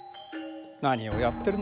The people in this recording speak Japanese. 何をやってるのかね